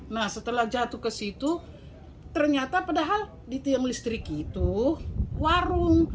nah setelah jatuh ke situ ternyata padahal di tiang listrik itu warung